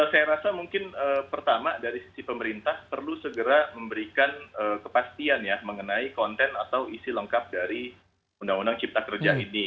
saya rasa mungkin pertama dari sisi pemerintah perlu segera memberikan kepastian ya mengenai konten atau isi lengkap dari undang undang cipta kerja ini